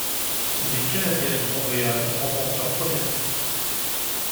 Les Canadiens de Montréal remportent leur première Coupe.